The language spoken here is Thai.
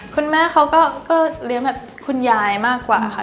คุณแม่เขาก็เลี้ยงแบบคุณยายมากกว่าค่ะ